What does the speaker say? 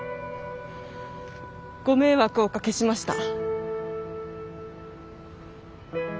ご迷惑をおかけしました。